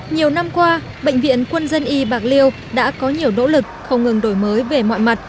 nhiều năm qua bệnh viện quân dân y bạc liêu đã có nhiều nỗ lực không ngừng đổi mới về mọi mặt